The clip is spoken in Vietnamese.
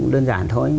đơn giản thôi